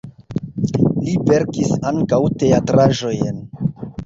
Li verkis ankaŭ teatraĵojn.